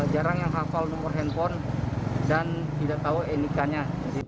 jarang yang hafal nomor handphone dan tidak tahu enikannya